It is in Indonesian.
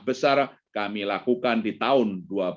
berdasarkan jelas madam mdm sumidoja